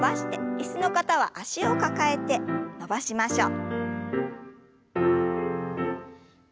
椅子の方は脚を抱えて伸ばしましょう。